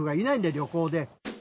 旅行で。